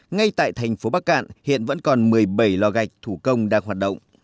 ngay tại thành phố bắc cạn hiện vẫn còn một mươi bảy lò gạch thủ công đang hoạt động